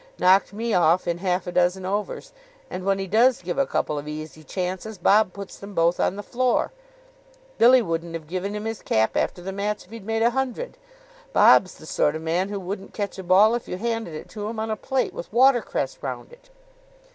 Knocked me off in half a dozen overs. And, when he does give a couple of easy chances, Bob puts them both on the floor. Billy wouldn't have given him his cap after the match if he'd made a hundred. Bob's the sort of man who wouldn't catch a ball if you handed it to him on a plate, with watercress round it."